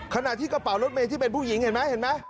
ขณะที่กระเป๋ารถเมย์ที่เป็นผู้หญิงเห็นไหมเห็นไหม